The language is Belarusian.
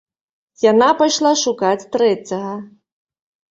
Яна пайшла шукаць трэцяга.